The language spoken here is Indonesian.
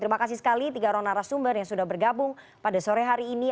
terima kasih sekali tiga orang narasumber yang sudah bergabung pada sore hari ini